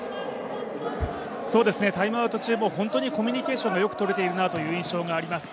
タイムアウト中も本当にコミュニケーションがよくとれているなと感じます。